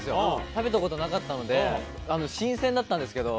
食べたことなかったので、新鮮だったんですけど。